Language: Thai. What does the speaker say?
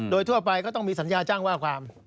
โดยทั่วไปก็ต้องมีสัญญาจ้างว่าความ